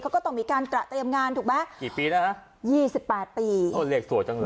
เขาก็ต้องมีการตระเตรียมงานถูกไหมกี่ปีแล้วฮะยี่สิบแปดปีโอ้เลขสวยจังเลย